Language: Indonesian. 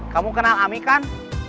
kamu kenal ami kan